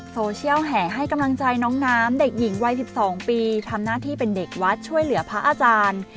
แห่ให้กำลังใจน้องน้ำเด็กหญิงวัย๑๒ปีทำหน้าที่เป็นเด็กวัดช่วยเหลือพระอาจารย์